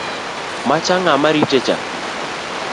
Macha ng’a maritecha